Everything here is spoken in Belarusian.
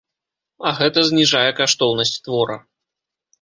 А гэта зніжае каштоўнасць твора.